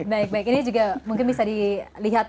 baik baik ini juga mungkin bisa dilihat